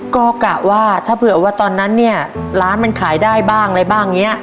ก็กะว่าถ้าเผื่อว่าตอนนั้นเนี่ยร้านมันขายได้บ้างอะไรบ้างอย่างนี้